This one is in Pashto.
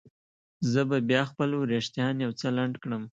زه به بیا خپل وریښتان یو څه لنډ کړم.